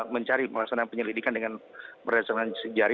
mencari penyelidikan dengan berdasarkan sidik jari